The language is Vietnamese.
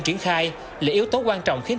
triển khai là yếu tố quan trọng khiến